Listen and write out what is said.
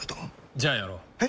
じゃあやろう。え？